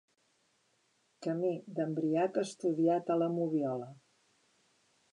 Camí d'embriac estudiat a la moviola.